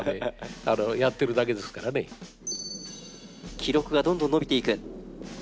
記録がどんどん伸びていく。